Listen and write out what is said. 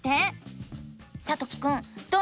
さときくんどう思う？